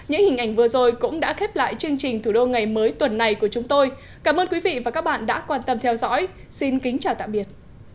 hãy đăng kí cho kênh lalaschool để không bỏ lỡ những video hấp dẫn